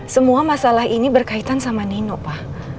semua masalah ini berkaitan sama nino pak